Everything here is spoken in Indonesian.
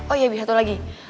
oh iya bi satu lagi